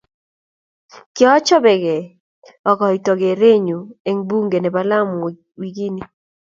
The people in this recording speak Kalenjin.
kiochoboge akoito keerenyu eng bunge nebo Lamu wikini